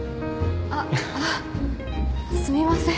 あっすみません。